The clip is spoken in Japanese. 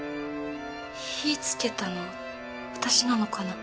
火つけたの私なのかな？